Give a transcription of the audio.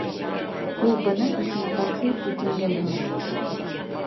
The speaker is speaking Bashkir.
Ул бының өсөн ғәфү үтенгән һымаҡ: